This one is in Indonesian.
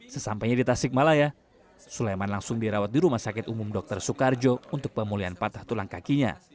sesampainya di tasikmalaya sulaiman langsung dirawat di rumah sakit umum dr soekarjo untuk pemulihan patah tulang kakinya